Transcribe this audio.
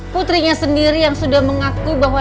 putrinya sendiri yang sudah mengaku bahwa